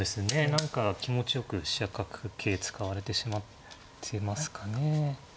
何か気持ちよく飛車角桂使われてしまってますかね。